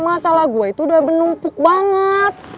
masalah gue itu udah menumpuk banget